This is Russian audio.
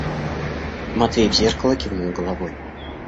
Матвей в зеркало кивнул головой.